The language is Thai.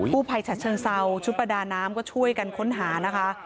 ผู้ภายชาติชื่นเซาชุดประดาน้ำก็ช่วยกันค้นหาน่ะค่ะ